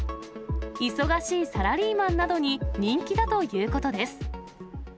忙しいサラリーマンなどに人気だということです。